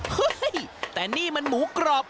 เฮ้ยแต่นี่มันหมูกรอบ